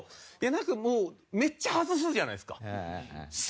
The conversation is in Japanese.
なんかもうめっちゃ外すじゃないですか。